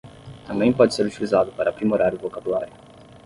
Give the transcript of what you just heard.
Também pode ser utilizado para aprimorar o vocabulário